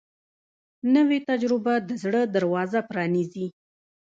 نوې تجربه د زړه دروازه پرانیزي